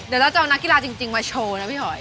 เดี๋ยวเราจะเอานักกีฬาจริงมาโชว์นะพี่หอย